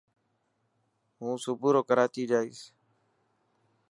هون صبورو ڪراچي جائين.